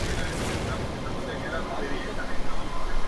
Fue el primer maestro para sordos en Alemania.